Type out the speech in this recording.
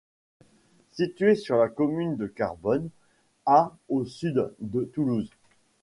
Situé sur la commune de Carbonne à au sud de Toulouse.